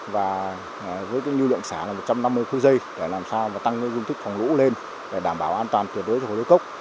và với lưu lượng xả là một trăm năm mươi khu giây để làm sao tăng dung tích phòng lũ lên để đảm bảo an toàn tuyệt đối cho hồ núi cốc